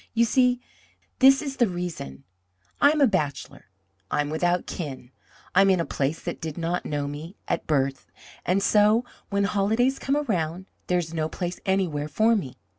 You see, this is the reason: I am a bachelor; I am without kin; I am in a place that did not know me at birth. And so, when holidays come around, there is no place anywhere for me.